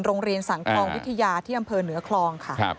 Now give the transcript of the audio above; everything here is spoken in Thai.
โรงเรียนสังคลองวิทยาที่อำเภอเหนือคลอง